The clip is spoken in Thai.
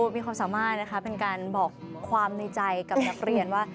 มีความสามารถการบอกความใจกับเรียน